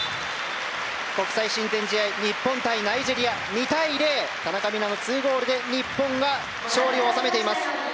国際親善試合日本対ナイジェリアは２対０、田中美南の２ゴールで日本が勝利を収めています。